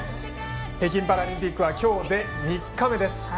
北京パラリンピックは今日で３日目です。